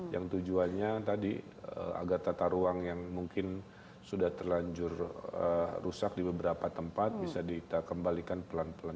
yang tujuannya tadi agar tata ruang yang mungkin sudah terlanjur rusak di beberapa tempat bisa kita kembalikan pelan pelan